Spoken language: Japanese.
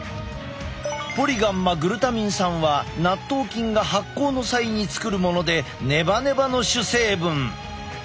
ポリガンマグルタミン酸は納豆菌が発酵の際に作るものでネバネバの主成分。